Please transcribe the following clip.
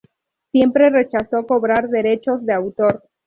Siempre rechazó cobrar derechos de autor.